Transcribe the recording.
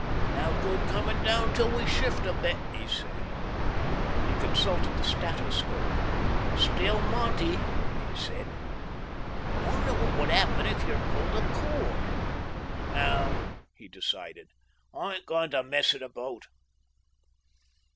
"No good coming down till we shift a bit," he said. He consulted the statoscope. "Still Monty," he said. "Wonder what would happen if you pulled a cord?" "No," he decided. "I ain't going to mess it about."